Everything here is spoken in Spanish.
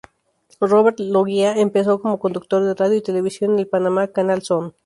Robert Loggia empezó como conductor de radio y televisión en el Panamá Canal Zone.